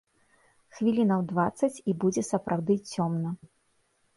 Хвілінаў дваццаць і будзе сапраўды цёмна.